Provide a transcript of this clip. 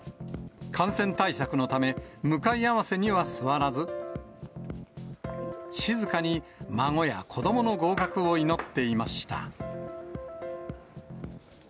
感染対策のため、向かい合わせには座らず、静かに孫や子どもの合格を祈っていました。